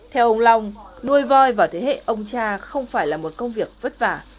theo ông long nuôi voi vào thế hệ ông cha không phải là một công việc vất vả